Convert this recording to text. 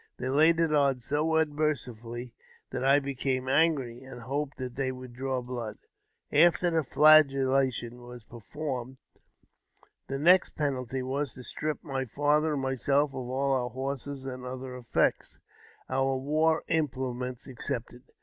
They laid it on so unmercifully, that I became angry, and hoped they would draw blood. After the flagellation was performed, the next penalty was to strip my father and myself of all our horses and other effects (our war implements excepted).